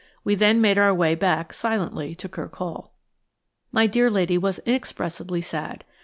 We then made our way back silently to Kirk Hall. My dear lady was inexpressibly sad.